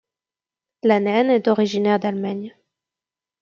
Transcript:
La naine est originaire d'Allemagne.